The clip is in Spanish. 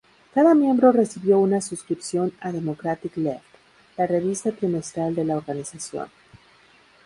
Cada miembro recibió una suscripción a Democratic Left, la revista trimestral de la organización.